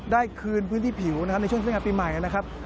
ได้คืนพื้นที่ผิวนะครับในช่วงเทศกาลปีใหม่นะครับ